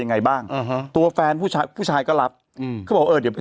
ยังไงบ้างอ่าฮะตัวแฟนผู้ชายผู้ชายก็รับอืมเขาบอกเออเดี๋ยวไป